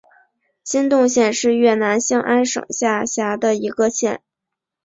金洞县是越南兴安省下辖的一个县。